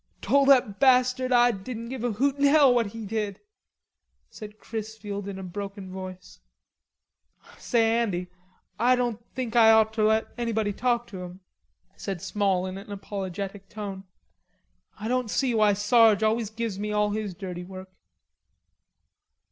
"Tol' that bastard Ah didn't give a hoot in hell what he did," said Chrisfield in a broken voice. "Say, Andy, I don't think I ought ter let anybody talk to him," said Small in an apologetic tone. "I don't see why Sarge always gives me all his dirty work."